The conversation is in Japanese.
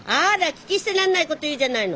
聞き捨てなんないこと言うじゃないの。